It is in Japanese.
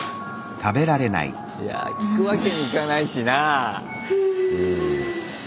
いや聞くわけにいかないしなぁ。